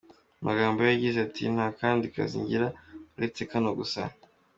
Mu magambo ye yagize ati “Nta kandi kazi ngira; uretse kano gusa.